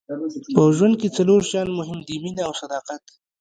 په ژوند کې څلور شیان مهم دي مینه او صداقت.